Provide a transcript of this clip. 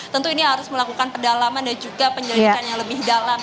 tentu ini harus melakukan pendalaman dan juga penyelidikan yang lebih dalam